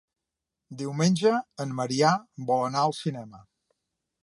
Diumenge en Maria vol anar al cinema.